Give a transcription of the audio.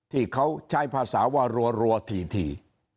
ที่เขาใช้ภาษาว่ารัวรัวทีนี้